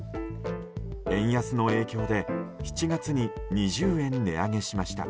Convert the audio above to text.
円安の影響で７月に２０円値上げしました。